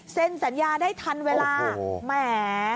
สัญญาได้ทันเวลาแหม